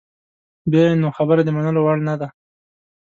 بیا یې نو خبره د منلو وړ نده.